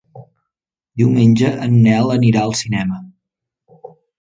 Diumenge en Nel anirà al cinema.